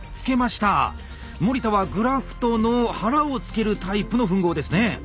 森田はグラフトの腹をつけるタイプの吻合ですね。